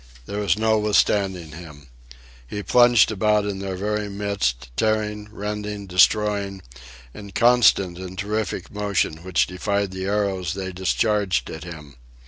There was no withstanding him. He plunged about in their very midst, tearing, rending, destroying, in constant and terrific motion which defied the arrows they discharged at him.